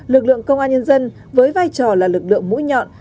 lực lượng công an nhân dân với vai trò là lực lượng mũi nhọn